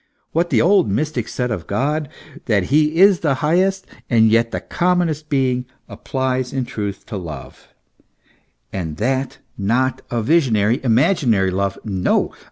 What the old mystics said of God, that he is the highest and yet the com monest being, applies in truth to love, and that not a visionary, imaginary love no!